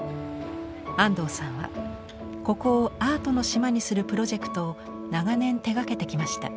安藤さんはここをアートの島にするプロジェクトを長年手がけてきました。